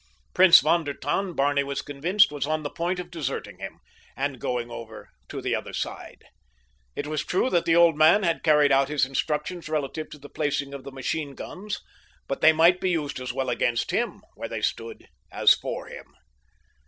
Prince von der Tann, Barney was convinced, was on the point of deserting him, and going over to the other side. It was true that the old man had carried out his instructions relative to the placing of the machine guns; but they might be used as well against him, where they stood, as for him.